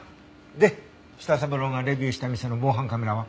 で舌三郎がレビューした店の防犯カメラは？